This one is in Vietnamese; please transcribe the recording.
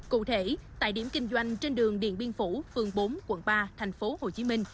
cụ thể tại điểm kinh doanh trên đường điện biên phủ phường bốn quận ba tp hcm